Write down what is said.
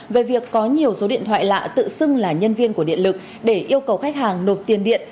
về việc có nhiều số điện thoại lạ tự xưng là nhân viên của điện lực để yêu cầu khách hàng nộp tiền điện